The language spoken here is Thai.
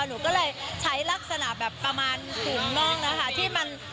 หนูก็เลยใช้ลักษณะแบบประมาณถุงน่องนะคะที่มัน